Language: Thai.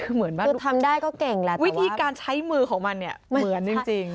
ซึ่งทำได้ก็เก่งแต่วิธีการใช้มือของมันเนี่ยเหมือนจริง